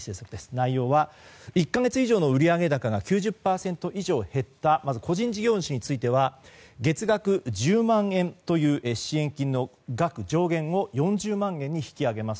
内容は１か月以上の売上高が９０％以上減った個人事業主には月額１０万円の支援金の額上限を４０万円に引き上げます。